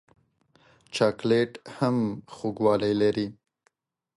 چاکلېټ هم خوږوالی لري.